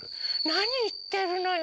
なにいってるのよ